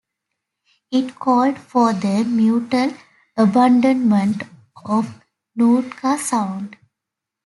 It called for the mutual abandonment of Nootka Sound.